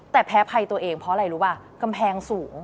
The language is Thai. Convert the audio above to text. แต่แพ้ภัยตัวเองเพราะอะไรรู้ป่ะกำแพงสูง